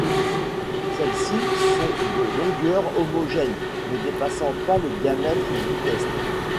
Celles-ci sont de longueur homogène, ne dépassant pas le diamètre du test.